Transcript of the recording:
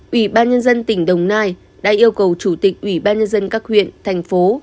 ủy ban nhân dân tỉnh đồng nai đã yêu cầu chủ tịch ủy ban nhân dân các huyện thành phố